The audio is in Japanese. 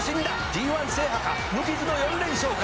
「ＧⅠ制覇か無傷の４連勝か」